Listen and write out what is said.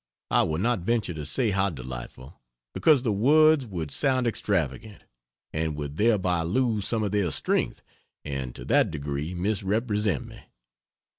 I will not venture to say how delightful, because the words would sound extravagant, and would thereby lose some of their strength and to that degree misrepresent me.